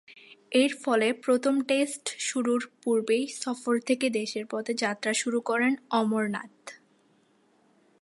এরফলে প্রথম টেস্ট শুরুর পূর্বেই সফর থেকে দেশের পথে যাত্রা শুরু করেন অমরনাথ।